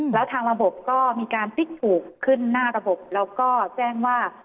แล้วทางระบบก็มีการพลิกถูกขึ้นหน้าระบบแล้วก็แจ้งว่า